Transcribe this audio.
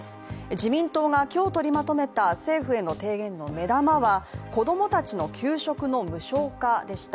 自民党が今日、取りまとめた政府への提言の目玉は子供たちの給食の無償化でした。